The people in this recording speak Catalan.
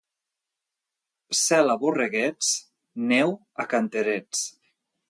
Cel a borreguets, neu a canterets.